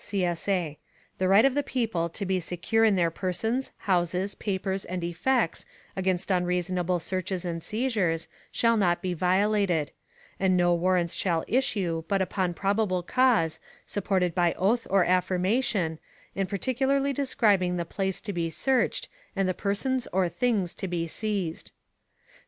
[CSA] The right of the people to be secure in their persons, houses, papers, and effects, against unreasonable searches and seizures, shall not be violated; and no warrants shall issue but upon probable cause, supported by oath or affirmation, and particularly describing the place to be searched, and the persons or things to be seized.